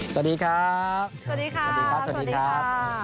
สวัสดีครับสวัสดีครับสวัสดีครับสวัสดีครับสวัสดีครับ